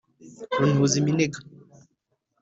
runihuza iminega